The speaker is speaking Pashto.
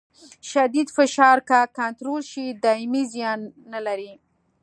شدید فشار که کنټرول شي دایمي زیان نه لري.